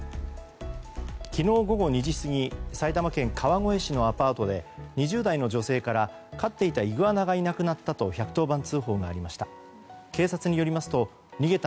昨日午後２時過ぎ埼玉県川越市のアパートで２０代の女性から飼っていたイグアナがいなくなったと１１０番通報がありました。